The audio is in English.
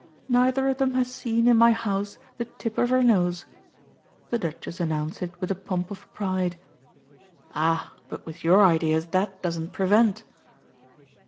Neither of them has seen, in my house, the tip of her nose." The Duchess announced it with a pomp of pride. "Ah but with your ideas that doesn't prevent."